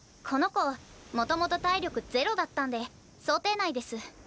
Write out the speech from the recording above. この子もともと体力ゼロだったんで想定内です。